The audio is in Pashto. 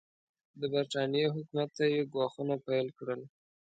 د برټانیې حکومت ته یې ګواښونه پیل کړل.